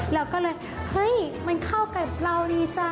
เราก็เลยเฮ้ยมันเข้ากับเราดีจ้ะ